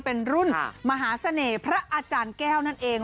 เป็นรุ่นมหาเสน่ห์พระอาจารย์แก้วนั่นเอง